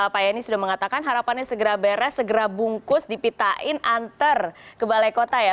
pak yani sudah mengatakan harapannya segera beres segera bungkus dipitain antar ke balai kota ya